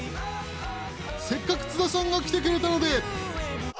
［せっかく津田さんが来てくれたので］